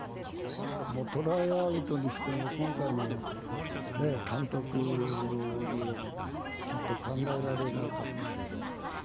トライアウトにしても、今回の監督でも、ちょっと考えられなかったけど。